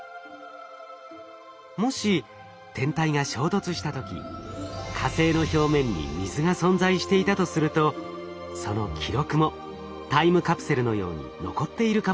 もし天体が衝突した時火星の表面に水が存在していたとするとその記録もタイムカプセルのように残っているかもしれません。